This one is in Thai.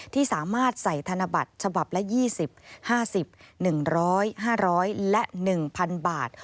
ที่สามารถใส่ธนบัตรฉบับละ๒๐๕๐๑๐๐๕๐๐และ๑๐๐๐บาท